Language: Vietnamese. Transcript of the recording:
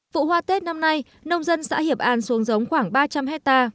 vụ hoa tết năm nay nông dân xã hiệp an xuống giống khoảng ba trăm linh hectare